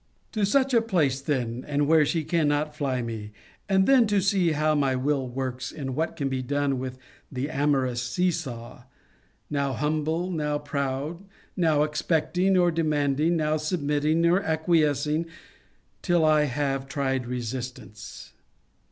To such a place then and where she cannot fly me And then to see how my will works, and what can be done with the amorous see saw; now humble, now proud; now expecting, or demanding; now submitting, or acquiescing till I have tried resistance.